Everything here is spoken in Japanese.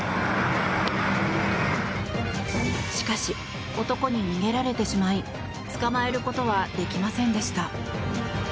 しかし、男に逃げられてしまい捕まえることはできませんでした。